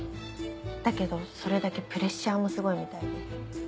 だけどそれだけプレッシャーもすごいみたいで。